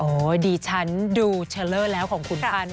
โอดีฉันดูเฉลิ่นแล้วของขุนพัน